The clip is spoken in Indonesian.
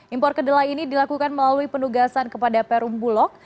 impor kedelai ini dilakukan melalui penugasan kepada perumbulok